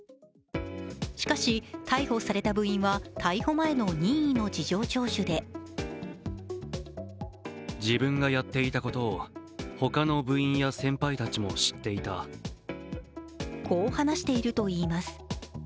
しかし、逮捕された部員は、逮捕前の任意に事情聴取でこう話しているといいます。